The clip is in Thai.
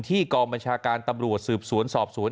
กองบัญชาการตำรวจสืบสวนสอบสวน